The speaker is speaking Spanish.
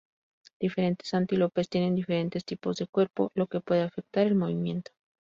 Diferentes antílopes tienen diferentes tipos de cuerpo, lo que puede afectar al movimiento.